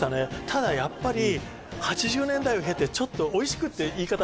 ただやっぱり８０年代を経てちょっとおいしくって言い方